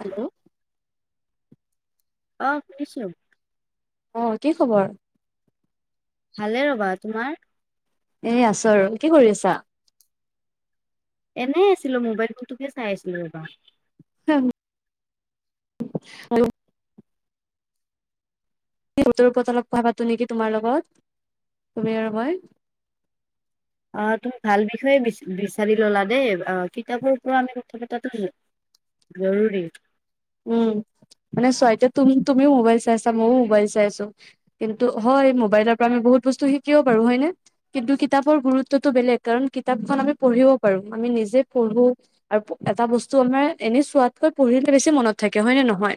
Hello, অঁ খুনিছোঁ। অ কি খবৰ? ভালে হ'বা তোমাৰ এ আছো আৰু কি কৰি আছা? এনেই আছিলো মোবাইলটোটোকে চাই আছিলো ৰবা। অহ আৰু বৰ ওপৰত অলপ কথা পাতো নেকি তোমাৰ লগত তুমি আৰু মই। অ তুমি ভাল বিষয়ে বিচাৰি ললা দেই অ কিতাপৰ পৰাপ আমি কথা পতাটো। জৰুৰী। উম মানে সয়তি ত তুমি মোবাইল চাই আছা মইয়ো মোবাইল চাই আছোঁ। কিন্তু হয় মোবাইলৰ পৰা আমি বহুত বস্তু শিকিব পাৰো হয়নে? কিন্তু কিতাপৰ গুৰুত্বতটো বেলেগ কাৰণ কিতাপখন আমি পঢ়িব পাৰো আমি নিজে পঢ়ো। আৰু এটা বস্তু আমাৰ এনেই চোৱাতকৈ পঢ়িলে বেছি মনত। থাকে হয় নে নহয়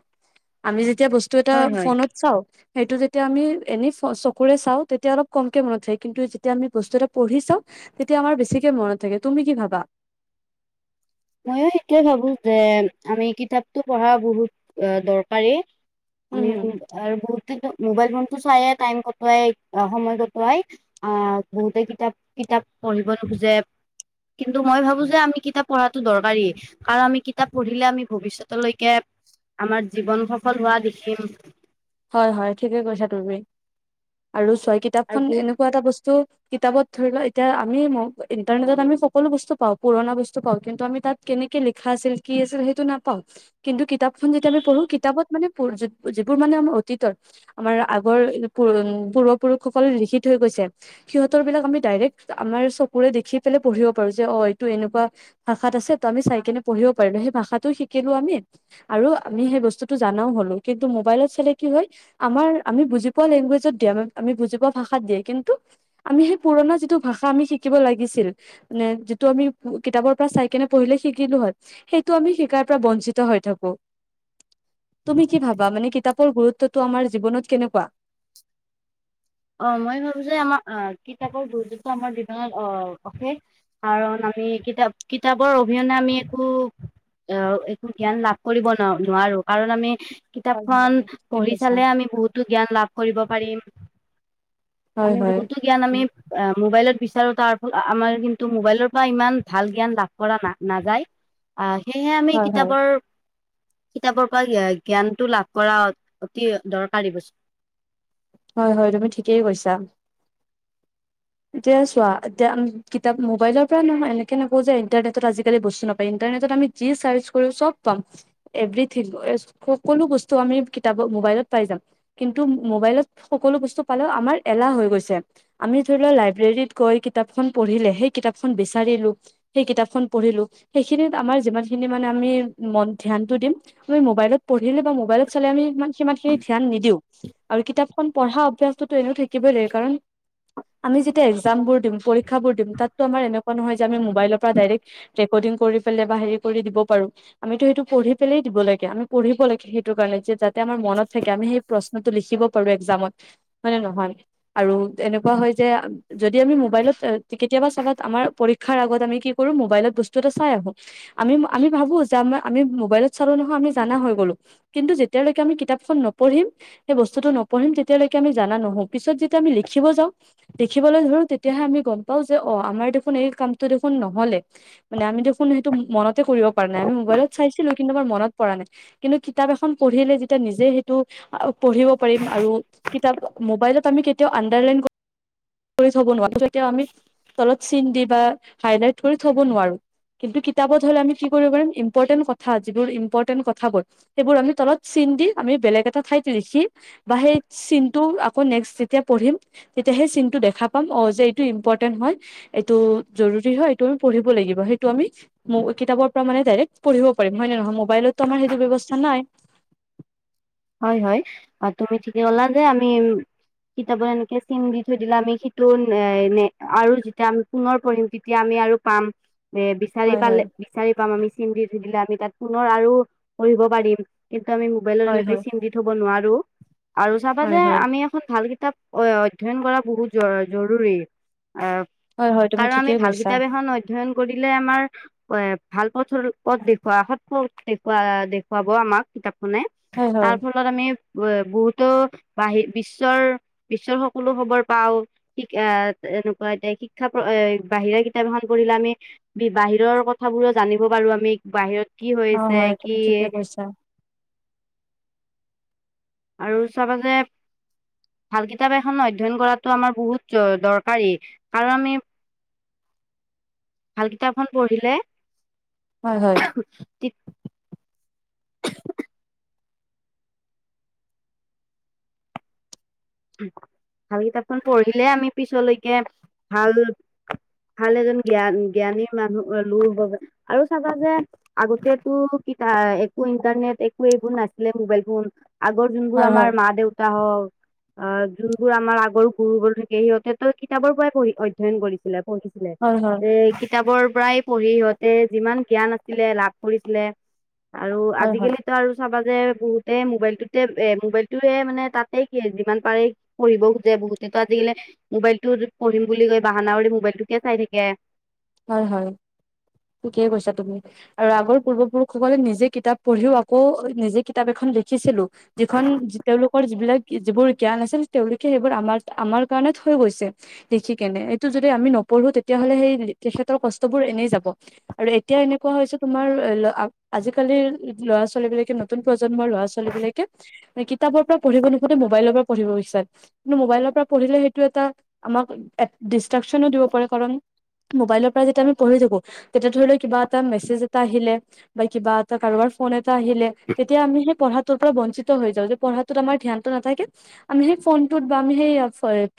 আমি যেতিয়া বস্তু এটা হয় হয় ফোনত চাওঁ সেইটো যেতিয়া আমি এনেই চকুৰে চাওঁ তেতিয়া অলপ কমকে মনত থাকে কিন্তু যেতিয়া আমি বস্তু এটা পঢ়ি চাওঁ তেতিয়া আমাৰ বেছিকে মনত থাকে তুমি কি ভাবা? ময়ো সেইটোৱে ভাবো যে আমি কিতাপতো পঢ়া বহুত দৰকাৰী। আমি উম, বহুতদিন মোবাইল ফোনতটো চাই টাইম কটোৱাই সময় কটোৱাই। আহ বহুতে কিতাপ কিতাপ পঢ়িব নোখোজে। কিন্তু মই ভাবো যে আমি কিতাপ পঢ়া দৰকাৰী কাৰণ আমি কিতাপ পঢ়িলে আমি ভৱিষ্যতলৈকে। আমাৰ জীৱন সফল হোৱা দেখিম। হয় হয় ঠিকেই কৈছা তুমি আৰু চ আৰু কিতাপখন বহুত এনেকুৱা এটা বস্তু। কিতাপত ধৰি লও এতিয়া আমি ইন্টাৰনেটত আমি সকলো বস্তু পাওঁ পুৰণা বস্তু পাওঁ কিন্তু আমি তাত কেনেকে লিখা আছিল কি আছিল সেইটো নাপাওঁ? কিন্তু কিতাপখন যেতিয়া আমি পঢ়ো কিতাপত মানে যিবোৰ মানে আ অতীতৰ আমাৰ আগৰ পূৰ্বপুৰুষসকল লিখিত হৈ গৈছে। সিহঁতৰ বিলাক আমি ডাইৰেক্ট আমাৰ চকুৰে দেখি পেলাই পঢ়িব পাৰো যে অ এইটো এনেকুৱা ভাষাত আছে ত আমি চাই কিনে পঢ়িব পাৰিলো সেই ভাষাটো শিকিলো আমি আৰু আমি সেই বস্তুতটো জনাও হ'লো কিন্তু মোবাইলত চালে। কি হয় আমাৰ আমি বুজি পোৱা লেংগুৱেজত দিয়ে আমি বুজি পোৱা ভাষাত দিয়ে কিন্তু আমি সেই পুৰণা যিটো ভাষা আমি শিকিব লাগিছিল। মানে যিটো আমি কিতাপৰ পৰা চাই কেনে পঢ়িলে শিকিলো হত। সেইটো আমি শিকাৰ পৰা বঞ্চিত হৈ থাকো তুমি কি ভাবা মানে কিতাপ ৰ গুৰুত্বটো আমাৰ জীৱনত কেনেকুৱা? অ মই ভাবো যে আমাৰ আহ কিতাপৰ গুৰুতুটো আমাৰ জীৱনত আহ অশেষ। কাৰণ আমি কিতাপ কিতাপৰ অবিহনে আমি একো- আহ একো জ্ঞান লাভ কৰিব ন নোৱাৰো কাৰণ আমি- হয় হয় কিতাপখনন তুমি ঠিকে পঢ়ি কৈছা চালে আমি বহুতো জ্ঞান লাভ কৰিব পাৰিম। হয় আমি হয় বহুতো জ্ঞান আমি মোবাইলত বিচাৰো তাৰ ফলত আমাৰ কিন্তু মোবাইলৰ পৰা ইমান ভাল জ্ঞান লাভ- কৰা না নাযায় আহ সেয়েহে আমি হয় হয় কিতাপৰ কিতাপৰ পৰা জ্ঞানটো লাভ কৰা অতি দৰকাৰী বস্তু। হয়ঁ হয়ঁ তুমি ঠিকেই কৈছা। এিয়য়া চোৱা এয়া কিতাপ মোবাইলৰ পৰা নহয় এনেকে নাপওঁ যে ইণ্টাৰনেটত আজিকালি বস্তু নাপায় ইণ্টাৰনেটত আমি- যি চাৰজ কৰিব চব পাম। এভৰিথিং ওৱেল সকলো বস্তু আমি কিতাপত মোবাইলত পাই যাম। কিন্তু মোবাইলত সকলো বস্তু পালেও আমাৰ এলাহ হৈ গৈছে আমি- ধৰিল লাইব্ৰেৰীত গৈ কিতাপখন পঢ়িলে সেই কিতাপখন বিচাৰিলোঁ। সেই কিতাপখন পঢ়িলো সেইখিনিত আমাৰ যিমানখিনি মানে আমি মন ধ্যানটো দিম। আমি মোবাইলত পঢ়িলে বা মোবাইলত চালে আমি ই সিমান খিনি ধ্যান নিদিওঁ। আৰু কিতাপখন পঢ়া অভ্যাসতটোতো এনেও থাকিবই দে কাৰণ- আমি যেতিয়া এক্সাম বোৰ দিম পৰীক্ষাবোৰ দিম তাততোমাৰ এনেকুৱা নহয় যে আমিোবাইলৰ পৰা ডাইৰেক্ট- ৰেকৰ্ডিং কৰি পেলাই বা হেৰি কৰি দিব পাৰোঁ। আমিতো সেইটো পঢ়ি পেলাই দিব লাগে আমি পঢ়িব লাগে সেইটো কাৰণে যে যাত- তেতিয়া আমাৰ মনত থাকে আমি সেই প্ৰশ্নতটো লিখিব পাৰো এক্জামত হয়নে নহয় আৰু এনেকুৱা। কোৱা হৈ যায় যে যদি আমি মোবাইলত কেতিয়াবা চাবাত আমাৰ পৰীক্ষাৰ আগত আমি কি কৰো মোবাইলত বস্তু এটা চাই আহো। আমি আমি ভাবো যে আমাৰ আমি মোবাইলত চালো নহয় আমি জনা হৈ গ'লো। কিন্তু যেতিয়ালৈকে আমি কিতাপখন নপঢ়িম- সেই বস্তুটো নপঢ়ম তেতিয়ালৈকে আমি জনা নহো পিছত যেতিয়া আমি লিখিব যাওঁ। দেখিবলৈ ধৰো তেতিয়াহে আমি গম পাওঁ যে অঁ আমাৰ দেখোন এই কামটো দেখোন নহ'লে। মানে আমি দেখোনো সেইটো মনতে কৰিব পৰা নাই আমি মোবাইলত চাইছিলো কিন্তু আমাৰ মনত পৰা নাই। কিন্তু কিতাপ এখন পঢ়িলে যেতিয়া নিজে সেইটো পঢ়িব পাৰিম আৰু- কিতাপ মোবাইলত আমি কেতিয়াওঁ আণ্ডাৰলাইন- কৰি থব নোৱাৰো আমি তলত চিন দি বা হাইলাই কৰি থব নোৱাৰো। কিন্তু কিতাপত হ'লে আমি কি কৰিব পিম ইম্পৰ্টেণ্ট কথা যিবোৰ ইম্পৰ্টেণ্ট কথাবোৰ। সেইবোৰ আমি তলত চিন দি আমি বেলেগ এটা ঠাইত লিখি- বা সেই চিনটো আকৌ নেক্স যেতিয়া পঢ়িম- তেতিয়াহে চিনটো দেখা পাম অ যে এইটো ইম্পৰ্টেণ্ট হয়। এইটো জৰুৰী হয় এইটো আমি পঢ়িব লাগিব সেইটো আমি। মো কিতাপৰ পৰা মানে ডাইৰেক্ পঢ়িব পাৰিম হয় নে নহয় মবাইলতো আমাৰ সেইটো ব্যৱস্থা নাই। হয়ঁ হয়ঁ অঁ তুমি ঠিকে ক'লা যে আমি- কিতাপত এনেকে চিন দি থৈ দিলে আমি সেইটো এ নে আৰু যেতিয়াআম পুনৰ পঢ়িম তেতিয়া আমি আৰু পাম যে- বিচাৰি হয় পালে হয় বিচাৰি পাম আমি চিন্ত ধই দিলে আমি তাত পুনৰ আৰু পঢ়িব পাৰিম কিন্তু আমি মবাইলত হয় এনেকৈ হয় চিন দি থৱ নোৱাৰো আৰু চাবা যে হয় হয় আমি- ভাল কিতাপ অধ্যয়ন কৰা বহুত জ জৰুৰী আহ! হয় হয় তুমি কাৰণ আমি ঠিকেই ভাল কৈছা কিতাপ এখন অধ্যয়ন কৰিলে আমাৰ- এ ভাল পথ পথ দেখুওৱা সৎ পথ দেখুওৱা দেখুৱাব আমাক কিতাপখনে। হয়ঁ তাৰ হয়ঁ। ফলত আমি ব বহুতো বাহি বিশ্বৰ বিশ্বৰ সকলো খবৰ পাওঁ শিক আ এনেকুৱা এতিয়া শিক্ষা এ বাহিৰা কিতাপ এখন পঢ়িলে আমি বাহিৰৰ কথাবোৰো জানিব পাৰো আমি বাহিৰত কি অ হৈছে হয় তুমি কি ঠিকে কৈছা আৰু চাবা যে ভাল কিতাপ এখন অধ্যয়ন কৰাতো আমাৰ বহুত দ দৰকাৰী, কাৰন আমি ভাল কিতাপখন পঢ়িলে হয় হয়। [unintelligible] ভাল কিতাপখন পঢ়িলে আমি পিছলৈকে ভাল ভাল এজন জ্ঞান জ্ঞানী মানুহ লোক বাবে আৰু চাবা যে আগতে একো কিত একো ইণ্টাৰনেট একো এইবোৰ নাছিলে মোবাইল ফোন আগৰ যোনবোৰ হয় হয় আমাৰ মা-দেউতা হওঁক অ যোনবোৰ আমাৰ আগৰ গুৰুবোৰ থাকে সিহঁতেতো কিতাপৰ পৰাই পঢ়ি অধ্যয়ন কৰিছিলে পঢ়ি হয় হয় এ কিতাপৰ পৰাই পঢ়ি সিহঁতে যিমান জ্ঞান আছিলে লাভ কৰিছিলে। আৰু হয় আজিকালি আৰু চাবা যে বহুতেই মোবাইলটোতে এ মোবাইলটোয়ে মানে তাতে কি যিমান পাৰে পঢ়িব খোজে বহুতেটো আজিকালি মোবাইলটো পঢ়িম বুলি কৈ বাহানা কৰি মোবাইলটোকে চাই থাকে। হয় হয় ঠিকে কৈছা তুমি। আৰু আগৰ পূৰ্বপুৰুষসকলে নিজে কিতাপ পঢ়িও আকৌ নিজে কিতাপ এখন লিখিছিলো। যিখন তেওঁলোকৰ যিবিলাক যিবোৰ জ্ঞান আছিল তেওঁলোকে সেইবোৰ আমাৰ, আমাৰ কাৰণে থৈ গৈছে। লিখি কেনে এইটো যদি আমি নপঢ়ো তেতিয়াহ'লে সেই তেখেতৰ কষ্টবোৰ এনেই যাব আৰু এতিয়া এনেকুৱা হৈছে তোমাৰ আ আজিকালিৰ ল'ৰা-ছোৱালী বিলাকে নতুন প্ৰজন্মৰ ল'ৰা-ছোৱালী বিলাকে কিতাপৰ পৰা পঢ়িব নোখোজে মোবাইলৰ পৰা পঢ়িব বিচাৰ কিন্তু মোবাইলৰ পৰা পঢ়িলে সেইটো এটা আমাক ডিষ্ট্ৰাকচনো দিব পাৰে কাৰণ মবাইলৰ পৰা যেতিয়া আমি পঢ়ি থাকো তেতিয়া ধৰি লও কিবা এটা মেচেজ এটা আহিলে বা কিবা এটা কাৰোবাৰ ফোন এটা আহিলেতেতিয়া আমি সেই পঢ়াটোৰ পৰা বঞ্চিত হৈ যাওঁ যে পঢ়াটোত আমাৰ ধ্যানটো নাথাকে আমি যে ফোনটোত বা আমি সেই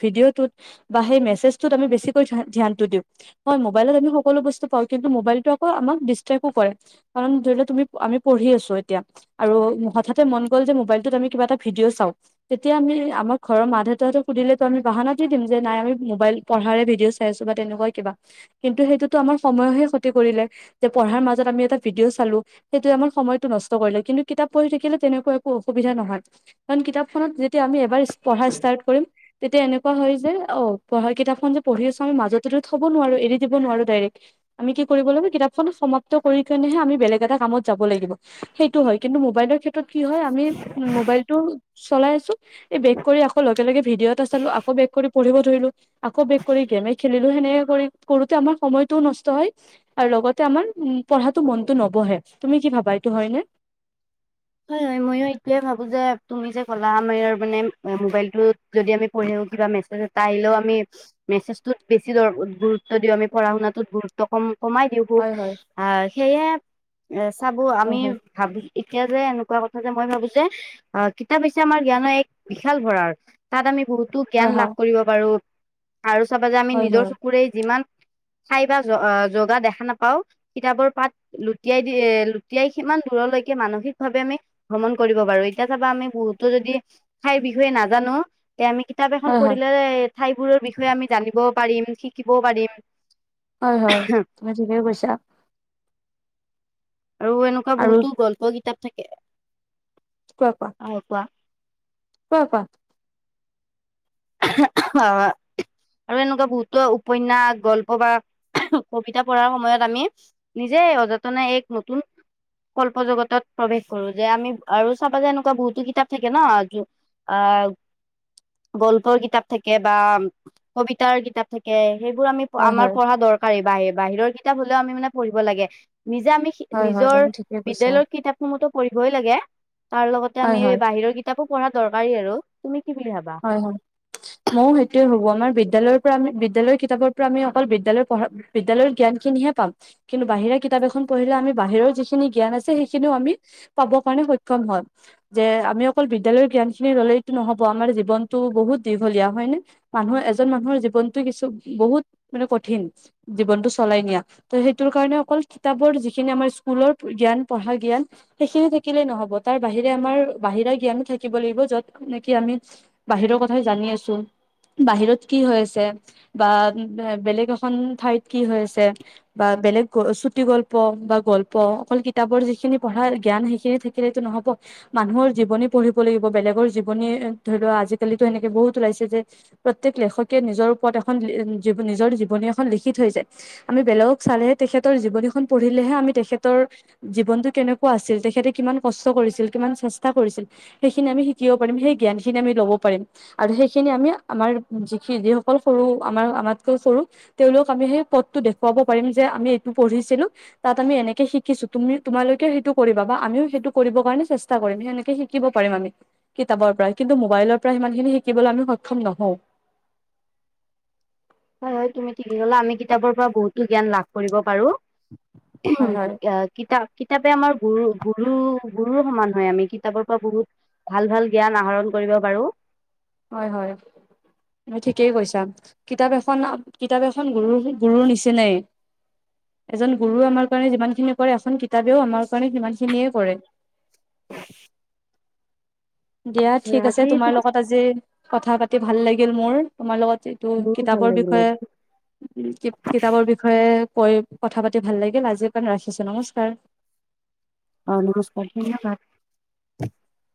ভিডিঅ'টোত বা সেই মেচেজটোত আমি বেছিকে ধ্যা ধ্যানটো দিওঁ হয় মোবাইলত আমি সকলো বস্তু পাও কিন্তু মোবাইল টো আক আমাক দিষ্ট্ৰেক্তও কৰে। কাৰণ ধৰি লও তুমি আমি পঢ়ি আছো এতিয়া আৰু হঠাতে মন গ'ল যে মোবাইলটোত আমি কিবা এটা ভিডিঅ' চাওঁ তেতিয়া আমি আমাৰ ঘৰৰ মা-দেউতাহতে সুধিলেতো আমি বাহানা দিম যে নাই আমি মোবাইল পঢ়াৰে ভিডিঅ' চাই আছো বা তেনেকুৱা কিবা কিন্তু সেইটোতো আমাৰ সময়হে ক্ষতি কৰিলে। যে পঢ়াৰ মাজত আমি এটা ভিডিঅ' চালো সেইটোৱে আমাৰ সময়তটো নষ্ট কৰিলে, কিন্তু কিতাপ পঢ়ি থাকিলে তেনেকুৱা একো অসুবিধা নহয়। কাৰণ কিতাপখনত যেতিয়া আমি এবাৰ পঢ়া ষ্টাত কৰিম তেতিয়া এনেকুৱা হয় যে অ পঢ়া কিতাপখন যে পঢ়ি আছো আমি মাজতেতো থ ব নোৱাৰো, এৰি দিব নোৱাৰো ডাইৰেক্ট আমি কি কৰিব লাগিব কিতাপখন সমাপ্ত কৰি কেনেহে আমি বেলেগ এটা কামত যাব লাগিব। সেইটো হয় কিন্তু মোবাইলৰ ক্ষে ত্ৰত কি হয় আমি মবাইলটো চলাই আছো বেগ কৰি আকৌ লগেলগে ভিডিঅ' এটা চালো, আকৌ বেক কৰি পঢ়িব ধৰিলো, আকৌ বেক কৰি গেমে খেলিলো সেনে কৰি কৰোতে আমাৰ সময়তটোও নষ্ট হয়। আৰু লগতে আমাৰ উম পঢ়াটো মনতো নবহে, তুমি কি ভাবা এইটো হয় নে? হয় হয় ময়ো এইটয়ে ভাবো যে তুমি যে ক'লা আমাৰ ইয়াৰ মানে মোবাইলটোত যদি আমি পঢ়ি থাকোঁ কিবা মেছেজ এটা আহিলেও আমি মেচেজটোত বেছি দ গুৰুত্ব দিও আমি পঢ়া - শুনা টোত গুৰুত্ব কম কমাই দিও ও হয় হয় আহ সেয়ে চাব হয় আমি হয় ভাবি এতিয়া যে এনেকুৱা কথা যে, মই ভাবো যে অ কিতাপ হৈছে, আমাৰ জ্ঞানৰ এক বিশাল ভঁৰাল তাত আমি বহুত তো জ্ঞান হয় লাভ হয় কৰিব পাৰো আৰু চাবা যে আমি হয় নিজৰ হয় চকুৰে যিমান খাই বা জ জগা দেখা নাপাওঁ কিতাপৰ পাত লুটিয়াই দি এ লুটিয়াই সিমান দূৰলৈকে মানসিক ভাৱে আমি ভ্ৰমণ কৰিব পাৰো। এতিয়া চাবা আমি বহুতো যদি ঠাইৰ বিষয়ে নাজানো এতিয়া আমি কিতাপ এখন হয় হয় পঢ়িলে, ঠাইবোৰৰ বিষয়ে আমি জানিব পাৰিম, শিকিবও পাৰিম। হয় হয় তুমি ঠিকে কৈছা। আৰু এনেকুৱা আৰু বহুতো গল্প কিতাপ থাকে। কোৱা কোৱা অ কোৱা কোৱা কোৱা। [unintelligible] আৰু এনেকুৱা বহুতো উপন্যাস, গল্প বা কবিতা পঢ়াৰ সময়ত আমি নিজে সযতনে এক নতুন কল্প জগতত প্ৰৱেশ কৰো যে, আমি আৰু চাবা যে এনেকুৱা বহুতো কিতাপ থাকে ন আহ গল ল্প কিতাপ থাকে বা কবিতাৰ কিতাপ থাকে, সেইবোৰ আমি হয় আমাৰ হয় পঢ়া দৰ বা বাহি বাহিৰৰ কিতাপ হ'লেও আমি মানে পঢ়িব লাগে, নিজে আমি হয় হয় নিজৰ তুমি ঠিকেই কৈছা বিদ্যায়ৰ কিতাপ সমূহতো পঢ়িবই লাগে, তাৰ লগতে হয় আমি হয় বাহিৰৰ কি কিতাপো পঢ়া দৰকাৰী, আৰু তুমি কি বুলি ভাবা? হয়, হয় ময়ও সেইটোয়ে ভাবো আমাৰ বিদ্যালয়ৰ পৰা আমি বিদ্যালয় কিতাপৰ পৰা আমি অকল বিদ্যালয়ৰ পঢ়াৰ বিদ্যালয়ৰ জ্ঞান খিনিহে পাম। কিন্তু বাহিৰা কিতাপ এখন পঢ়িলে আমি বাহিৰৰ যিখিনি জ্ঞান আছে সেইখিনিও আমি পাব কাৰণে সক্ষম হয়, যে আমি অকল বিদ্যালয়ৰ জ্ঞান খিনি ললেইটো নহব আমাৰ জী জীৱনটো বহুত দীঘলীয়া হয় নে মানুহৰ এজন মানুহৰ জীৱনটো কিছু বহুত মানে কঠিন জীৱনটো চলাই নিয়া। ত, সেইটোৰ কাৰণে অকল কিতাপৰ যিখিনি আমাৰ স্কুলৰ জ্ঞান, পঢ়াৰ জ্ঞান সেইখিনি থাকিলেই নহব, তাৰ বাহিৰে আমাৰ বাহিৰা জ্ঞানো থাকিব লাগিব য'ত নেকি আমি বাহিৰৰ কথাই জানি আছোঁ বাহিৰত কি হৈ আছে, বা বেলেগ এখন ঠাইত কি হৈ আছে বা বেলেগ চুটি গল্প বা গল্প অকল কিতাপৰ যিখিনি পঢ়া জ্ঞান সেইখিনি থাক কিলেটো নহব। মানুহৰ জীৱনী পঢ়িব লাগিব, বেলেগৰ জীৱনী ধৰি লোৱা আজি কালিতো এনেকে বহুত ওলাইছে যে প্ৰত্যেক লেখকে নিজৰ ওপৰত এখন নিজৰ জীৱনী এখন লিখি থৈ যায়। আমি বেলেগক চালেহে, তেখেতৰ জীৱনীখন পঢ়িলেহে আমি তেখেতৰ জীৱনটো কেনেকুৱা আছিল, তেখেতে কিমান কষ্ট কৰিছিল, কিমান চেষ্টা কৰিছিল সেইখিনি আমি শিকিব পাৰিম সেই জ্ঞানখিনি আমি ল'ব পাৰিম আৰু সেইখিনি আমি আমাৰ যিখি যিসকল সৰু আমাৰ আমাতকৈ সৰু তেওঁলোক আমি সেই পথটো দেখুৱাব পাৰিম যে, আমি এইটো পঢ়িছিলোঁ তাত আমি এনেকে শিকিছো, তুমি তোমালৈকেও সেইটো কৰিব বা আমিও সেইটো কৰিবৰ কাৰণে চেষ্ট তা, কৰিম সেনেকে শিকিব পাৰিম আমি। কিতাপৰ পৰা, কিন্তু মোবাইলৰ পৰা সিমান খিনি শিকিবলৈ আমি সক্ষম নহওঁ। হয়, হয়। তুমি ঠিকেই ক'লা, আমি কিতাপৰ পৰা বহুতো জ্ঞান লাভ কৰিব পাৰোঁ। হয় হয় ক্যা-কিতাপ কিতাপে আমাৰ গুৰু, গুৰু, গুৰুৰ সমান হয় আমি। কিতাপৰ পৰা বহুত ভাল, ভাল জ্ঞান আহৰণ কৰিব পাৰোঁ। হয়, হয়। তুমি ঠিকেই কৈছা, কিতাপ এখন কিতাপ এখন গুৰু, গুৰুৰ নিচিনাই। এজন গুৰুও আমাৰ কাৰণে যিমান খিনি কৰে, এখন কিতাপেও আমাৰ কাৰণে সিমান খিনিয়ে কৰে। দিয়া ঠিক আছে, আজি তোমাৰ লগত আজি কথা পাতি ভাল লাগিল মোৰ। তোমাৰ লগত তো মোৰ ভাল কিতাপৰ লাগিলে বিষয়ে কিত-কিতাপৰ বিষয়ে কৈ কথা পাতি ভাল লাগিল, আজিকাৰণে ৰাখিছো নমস্কাৰ। অ', নমস্কাৰ [inaudible] [unintelligible]